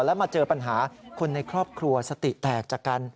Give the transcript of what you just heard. แล้วมาเจอปัญหาคนในครอบครัวสติแตกจากกัน